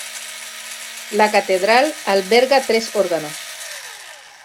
La catedral alberga tres órganos.